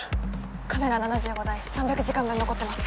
カメラ７５台３００時間分残ってます